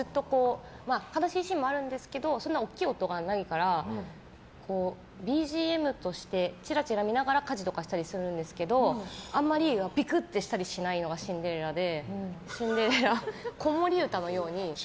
悲しいシーンはあるんですけどそんなに大きい音がないからＢＧＭとしてちらちら見ながら家事をしたりするんですけどあんまりビクッ！としないのが「シンデレラ」で。